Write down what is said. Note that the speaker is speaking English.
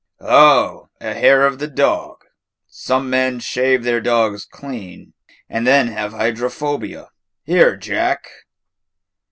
"Oh, a hair of the dog. Some men shave their dogs clean, and then have hydrophobia. Here, Jack!"